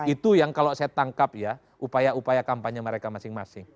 itu yang kalau saya tangkap ya upaya upaya kampanye mereka masing masing